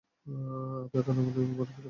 আমরা কানমাণির বর দেখতে গেয়েছিলাম।